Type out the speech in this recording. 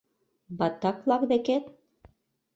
— Баттак-влак декет?